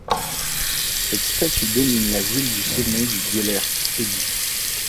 Cette statue domine la ville du sommet du Gellért-hegy.